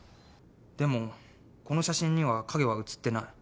でもこの写真には影は写ってない。